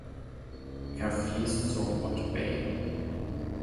Er fließt zur Watt Bay.